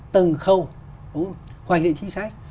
tầng khâu đúng không khoảnh định chính sách